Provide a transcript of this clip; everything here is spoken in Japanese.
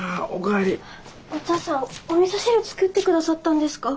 お義父さんおみそ汁作ってくださったんですか。